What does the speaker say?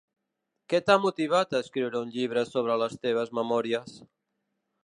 Que t'ha motivat a escriure un llibre sobre les teves memòries?